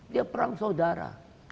dia perang saudara